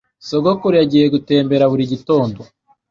Sogokuru yagiye gutembera buri gitondo